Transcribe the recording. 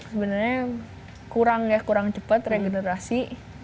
sebenernya kurang cepat regenerasi